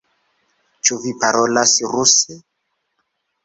Ĉu vi parolas ruse?